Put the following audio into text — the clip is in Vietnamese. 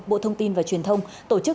bộ thông tin và truyền thông tổ chức